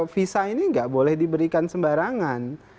visa ini nggak boleh diberikan sembarangan